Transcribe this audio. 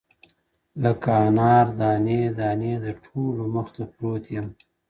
لکه انار دانې، دانې د ټولو مخته پروت يم،